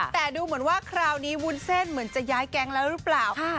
แต่ดูเหมือนว่าคราวนี้วุ้นเส้นเหมือนจะย้ายแก๊งแล้วหรือเปล่า